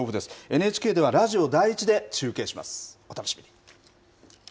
ＮＨＫではラジオ第１で中継します。